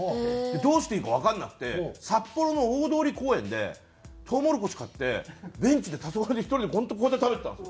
どうしていいかわからなくて札幌の大通公園でとうもろこし買ってベンチでたそがれて１人で本当こうやって食べてたんですよ。